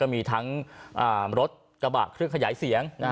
มีทั้งรถกระบะเครื่องขยายเสียง